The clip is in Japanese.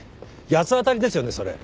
八つ当たりですよねそれ。